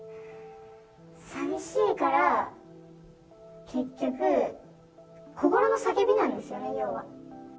さみしいから、結局、心の叫びなんですよね、要は。